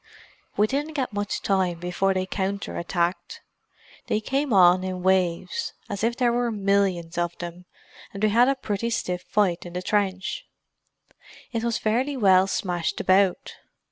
"We didn't get much time before they counter attacked. They came on in waves—as if there were millions of them, and we had a pretty stiff fight in the trench. It was fairly well smashed about.